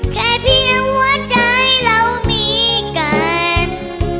แค่เพียงหัวใจเรามีกัน